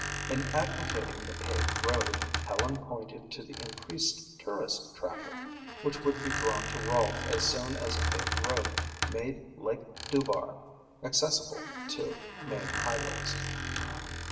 In advocating the paved road, Helen pointed to the increased tourist traffic which would be drawn to Rolfe as soon as a paved road made Lake Dubar accessible to main highways.